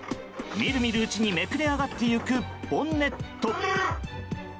見る見るうちにめくれ上がっていくボンネット。